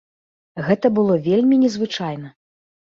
Гэта было вельмі незвычайна!